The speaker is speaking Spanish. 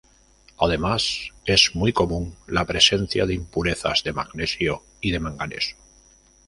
Además, es muy común la presencia de impurezas de magnesio y de manganeso.